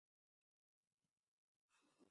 ya thamani ya fedha ya kichina maanake at least